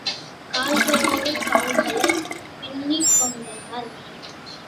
கால்களோடு கால்களைப் பின்னிக் கொண்டனர்.